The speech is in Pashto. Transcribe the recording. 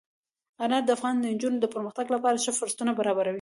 انار د افغان نجونو د پرمختګ لپاره ښه فرصتونه برابروي.